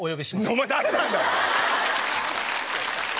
お前誰なんだよ！